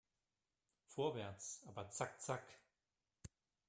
Vorwärts, aber zack zack